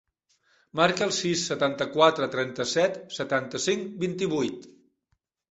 Marca el sis, setanta-quatre, trenta-set, setanta-cinc, vint-i-vuit.